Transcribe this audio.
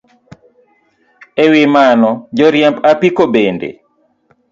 E wi mano, joriemb apiko bende